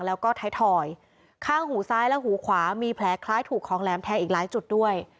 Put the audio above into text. แล้วก็ท้ายถอยข้างหูซ้ายและหูขวามีแผลคล้ายถูกของแหลมแทงอีกหลายจุดด้วย